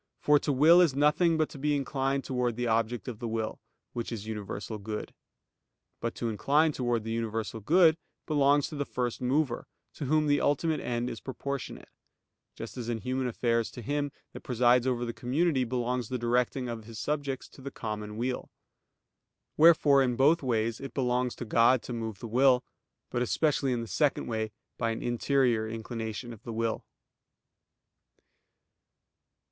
For to will is nothing but to be inclined towards the object of the will, which is universal good. But to incline towards the universal good belongs to the First Mover, to Whom the ultimate end is proportionate; just as in human affairs to him that presides over the community belongs the directing of his subjects to the common weal. Wherefore in both ways it belongs to God to move the will; but especially in the second way by an interior inclination of the will.